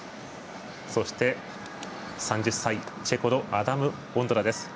そして、３０歳チェコのアダム・オンドラ。